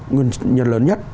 nguyên nhân lớn nhất